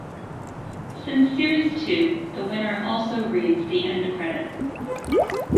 Since series two, the winner also reads the end credits.